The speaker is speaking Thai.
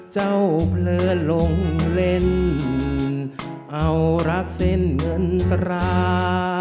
เพลินลงเล่นเอารักเส้นเงินตรา